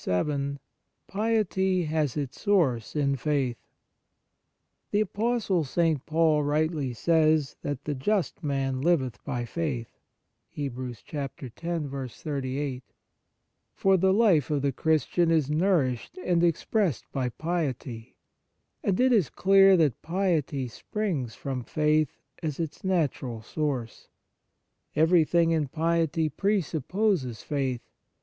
VII PIETY HAS ITS SOURCE IN FAITH THE Apostle St. Paul rightly says that the "just man liveth by faith,"* for the life of the Christian is nourished and expressed by piety, and it is clear that piety springs from faith as its natural source. Everything in piety presupposes faith.